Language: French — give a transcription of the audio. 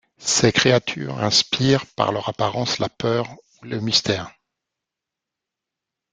Ces créatures inspirent par leur apparence, la peur ou le mystère.